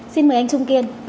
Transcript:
xin mời anh trung kiên